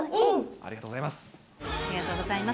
ありがとうございます。